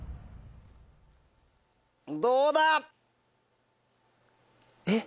どうだ？え？